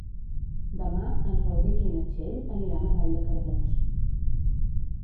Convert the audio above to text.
Demà en Rauric i na Txell aniran a Vall de Cardós.